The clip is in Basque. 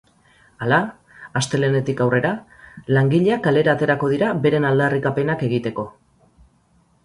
Hala, astelehenetik aurrera langileak kalera aterako dira beren aldarrikapenak egiteko.